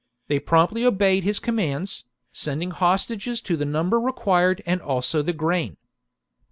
They promptly obeyed his commands, sending hostages to the number required and also the grain.